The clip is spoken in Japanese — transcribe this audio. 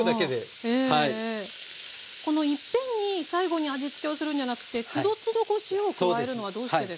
この一遍に最後に味付けをするんじゃなくてつどつど塩を加えるのはどうしてですか？